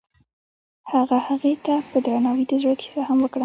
هغه هغې ته په درناوي د زړه کیسه هم وکړه.